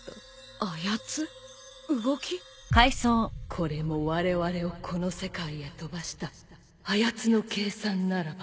これもわれわれをこの世界へ飛ばしたあやつの計算ならば